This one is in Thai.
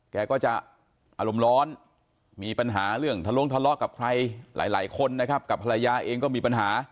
แกก็จะอารมณ์ร้อนมีปัญหาเรื่องทะลงทะเลาะกับใครหลายคนนะครับกับภรรยาเองก็มีปัญหา